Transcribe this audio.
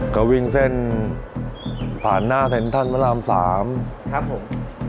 ก็วิ่งเส้นผ่านหน้าเซ็นทรัลพระราม๓ครับผม